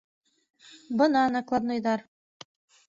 - Бына накладнойҙар.